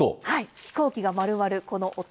飛行機が丸まるこの音。